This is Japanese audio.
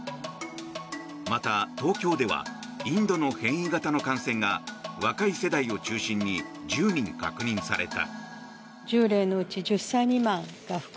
また、東京ではインドの変異型の感染が若い世代を中心に１０人確認された。